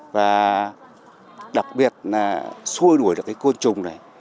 và đặc biệt là xuôi đuổi được cái côn trùng này